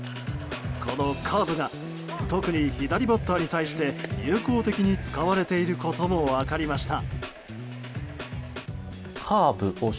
このカーブが特に左バッターに対して有効的に使われていることも分かりました。